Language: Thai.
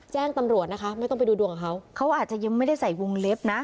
แจ้งตำรวจนะคะไม่ต้องไปดูดวงของเขาเขาอาจจะยังไม่ได้ใส่วงเล็บนะ